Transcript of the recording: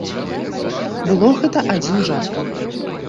Было гэта адзін жарт.